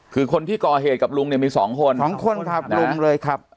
คือคนที่ก่อเหตุกับลุงเนี่ยมีสองคนสองคนครับลุงเลยครับ